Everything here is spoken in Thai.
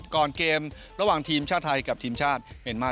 ก่อนเกมระหว่างทีมชาติไทยกับทีมชาติเมียนมา